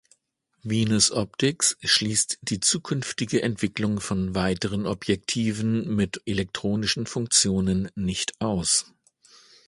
Venus Optics schließt die zukünftige Entwicklung von weiteren Objektiven mit elektronischen Funktionen nicht aus.